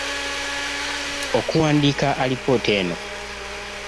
okuwandiika okuwandiika alipoota eno